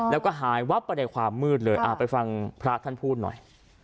แล้วก็หายวับไปในความมืดเลยไปฟังพระท่านพูดหน่อย